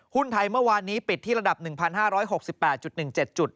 หุ้นไทยเมื่อวานนี้ปิดที่ระดับ๑๕๖๘๑๗จุด